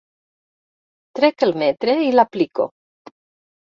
Trec el metre i l'aplico.